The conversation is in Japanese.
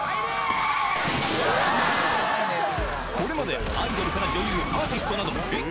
これまでアイドルから女優アーティストなど「えっ？